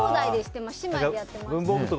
姉妹でやってました。